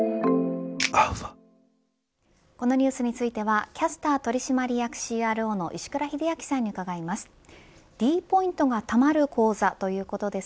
このニュースについてはキャスター取締役ＣＲＯの石倉秀明さんに伺います。